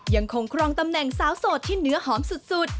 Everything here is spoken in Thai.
ยังคงครองตำแหน่งสาวโสดที่เนื้อหอมสุด